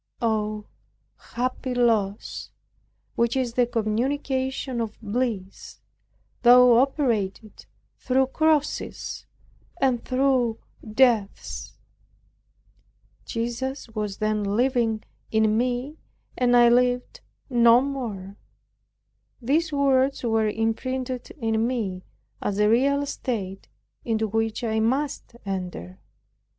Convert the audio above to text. Oh, happy loss, which is the consummation of bliss, though operated through crosses and through deaths! Jesus was then living in me and I lived no more. These words were imprinted in me, as a real state into which I must enter, (Matt.